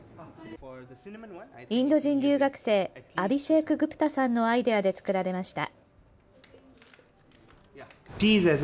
インド人留学生、アビシェーク・グプタさんのアイデアで作られました。